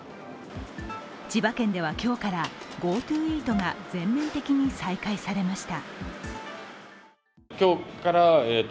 千葉県では今日からＧｏＴｏイートが全面的に再開されました。